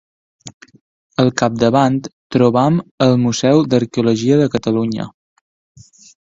Al capdavant trobem el Museu d'Arqueologia de Catalunya.